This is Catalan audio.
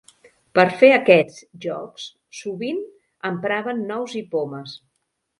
Per fer aquests jocs sovint empraven nous i pomes.